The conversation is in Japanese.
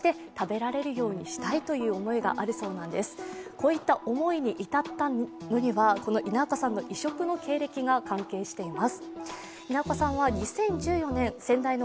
こういった思いに至ったのには稲岡さんの異色の経歴が関係しています。